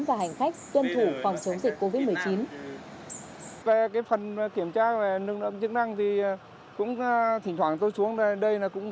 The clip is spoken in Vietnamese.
và hành khách tuân thủ phòng chống dịch covid một mươi chín